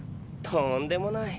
とんでもない。